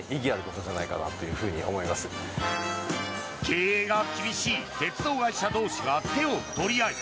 経営が厳しい鉄道会社同士が手を取り合い